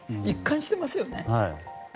一貫していますよね。